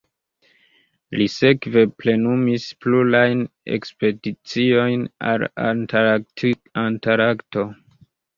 Li sekve plenumis plurajn ekspediciojn al Antarkto.